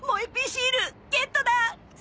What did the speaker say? シールゲットだ！